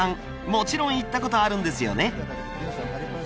もちろん行ったことあるんですよね？